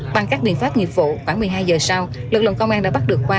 bằng các biện pháp nghiệp vụ khoảng một mươi hai giờ sau lực lượng công an đã bắt được khoa